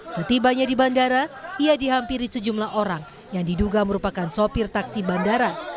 setibanya di bandara ia dihampiri sejumlah orang yang diduga merupakan sopir taksi bandara